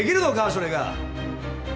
それが。